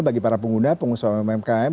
bagi para pengguna pengusaha umkm